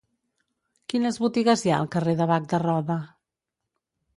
Quines botigues hi ha al carrer de Bac de Roda?